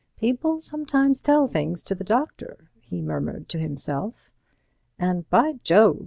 "People sometimes tell things to the doctor," he murmured to himself. "And, by Jove!